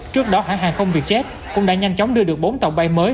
trước đó hãng hàng không việt jet cũng đã nhanh chóng đưa được bốn tàu bay mới